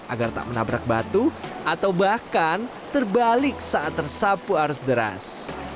agar tak menabrak batu atau bahkan terbalik saat tersapu arus deras